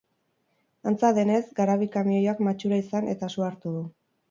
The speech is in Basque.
Antza denez, garabi-kamioiak matxura izan eta su hartu du.